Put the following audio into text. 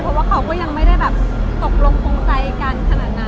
เพราะว่าเขาก็ยังไม่ได้แบบตกลงคงใจกันขนาดนั้น